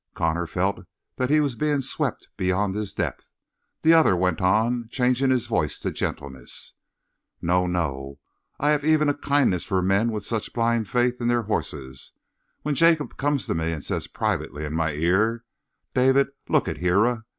Connor felt that he was being swept beyond his depth. The other went on, changing his voice to gentleness: "No, no! I have even a kindness for men with such blind faith in their horses. When Jacob comes to me and says privately in my ear: 'David, look at Hira.